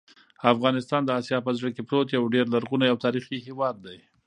افغانستان د اسیا په زړه کې پروت یو ډېر لرغونی او تاریخي هېواد دی.